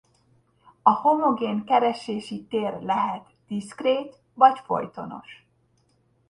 A homogén keresési tér lehet diszkrét vagy folytonos.